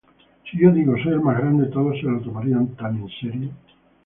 Si yo digo "Soy el más grande", todos se lo tomarían tan en serio.